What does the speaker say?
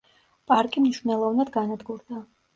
პარკი მნიშვნელოვნად განადგურდა.